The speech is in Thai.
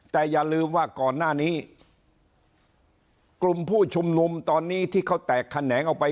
แต่อย่าลืมว่าก่อนหน้านี้กลุ่มผู้ชุมนุมตอนนี้ที่เขาแตกแขนงออกไป